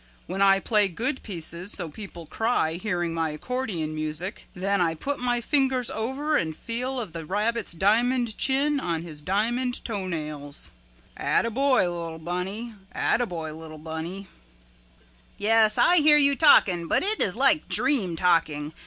When I play good pieces so people cry hearing my accordion music, then I put my fingers over and feel of the rabbit's diamond chin on his diamond toenails, 'Attaboy, li'l bunny, attaboy, li'l bunny.'" "Yes I hear you talking but it is like dream talking.